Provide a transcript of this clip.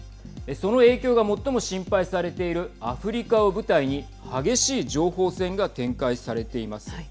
その影響が最も心配されているアフリカを舞台に激しい情報戦が展開されています。